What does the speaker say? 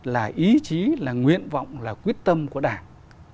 là ý chí là nguyện vọng là quyết tâm của đảng